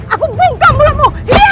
aku bungkam bulatmu